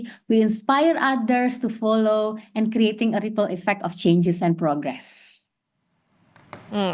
kita menginspirasi orang lain untuk mengikuti dan menciptakan efek berubah dan kemajuan